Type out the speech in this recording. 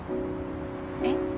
えっ？